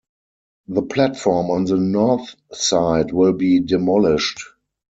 The platform on the north side will be demolished.